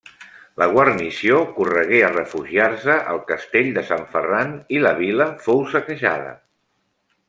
La guarnició corregué a refugiar-se al Castell de Sant Ferran i la vila fou saquejada.